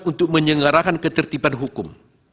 untuk menyelenggarakan ketertiban hukum